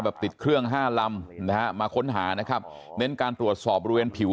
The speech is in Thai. แบบติดเครื่อง๕ลำมาค้นหานะครับเด้นการตรวจสอบบริเวณผิว